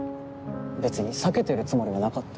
別に避けてるつもりはなかったよ。